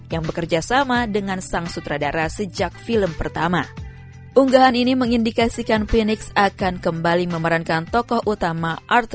yang bekerja sama dengan sang sutradara